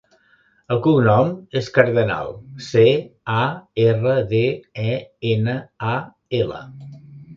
El cognom és Cardenal: ce, a, erra, de, e, ena, a, ela.